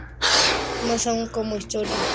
Más aún: como historia deseada.